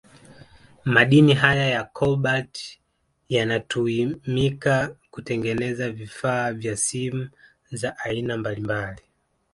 Madini haya ya Kobalt yanatuimika kutengeneza vifaa vya simu za aina mbalimbali